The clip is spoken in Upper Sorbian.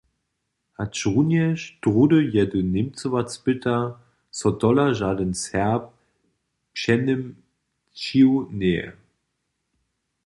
Hačrunjež druhdy jedyn němcować spyta, so tola žadyn Serb přeněmčił njeje.